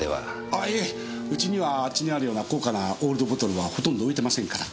あいえうちにはあっちにあるような高価なオールドボトルはほとんど置いてませんから。